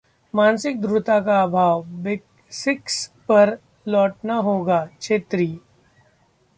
मानसिक दृढता का आभाव, बेसिक्स पर लौटना होगा: छेत्री